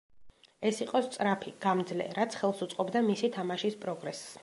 ის იყო სწრაფი, გამძლე, რაც ხელს უწყობდა მისი თამაშის პროგრესს.